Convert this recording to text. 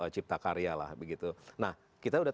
cipta karya lah begitu nah kita udah